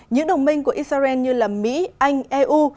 những đồng minh của israel như mỹ anh eu